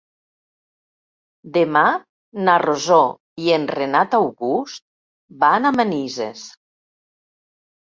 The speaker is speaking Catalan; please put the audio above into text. Demà na Rosó i en Renat August van a Manises.